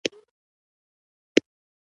ملګری د زړه رازونه ساتي